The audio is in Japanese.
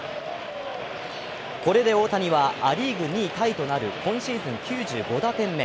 これで大谷はア・リーグ２位タイとなる今シーズン９５打点目。